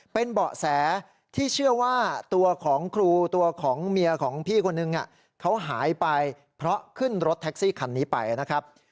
เป็นเบาะแสที่เชื่อว่าตัวของครูตัวของเมียของพี่คนนึงเขาหายไปเพราะขึ้นรถแท็กซี่คันนี้ไปนะครับ